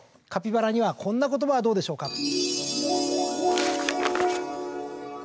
カピバラにはこんな言葉はどうでしょうか。